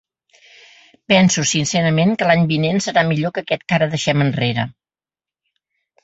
Penso, sincerament, que l’any vinent serà millor que aquest que ara deixem enrere.